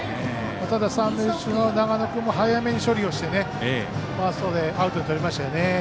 三塁手の永野君も早めに処理をしてファーストでアウトをとりましたね。